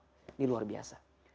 ini luar biasa